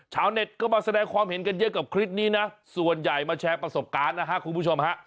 ชาวเน็ตก็มาแสดงความเห็นกันเยอะกับคลิปนี้นะส่วนใหญ่มาแชร์ประสบการณ์นะฮะคุณผู้ชมฮะ